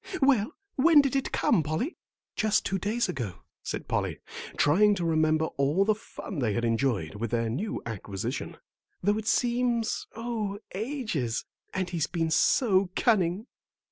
"Well, when did it come, Polly?" "Just two days ago," said Polly, trying to remember all the fun they had enjoyed with their new acquisition, "though it seems oh, ages; and he's been so cunning."